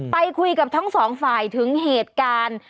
ไปคุยกับทั้งสองฝ่ายถึงเหตุการณ์